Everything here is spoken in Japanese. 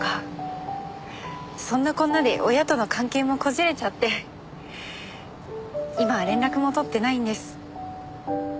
そんなこんなで親との関係もこじれちゃって今は連絡も取ってないんです。